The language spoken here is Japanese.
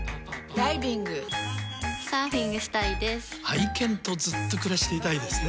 愛犬とずっと暮らしていたいですね。